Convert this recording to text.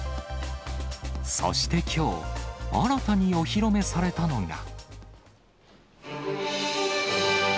そしてきょう、新たにお披露目されたのが。